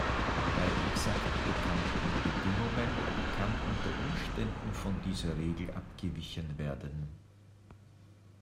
Bei exakt bekannten Bedingungen kann unter Umständen von dieser Regel abgewichen werden.